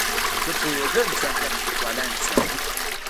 زه پوهېدم چې امنيت والا مې څاري.